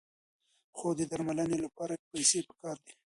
خو د درملنې لپاره پیسې پکار دي.